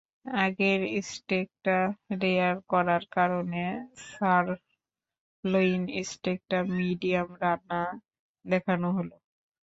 আগের স্টেকটা রেয়ার করার কারণে সারলইন স্টেকটা মিডিয়াম রান্না দেখানো হলো।